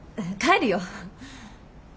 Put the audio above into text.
帰るよ。